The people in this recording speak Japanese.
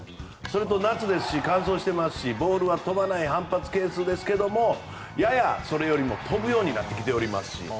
それと夏ですし乾燥してますしボールは飛ばない反発係数ですけれどもややそれよりも飛ぶようになってきています。